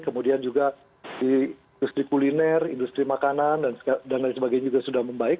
kemudian juga di industri kuliner industri makanan dan lain sebagainya juga sudah membaik